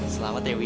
selamat ya wi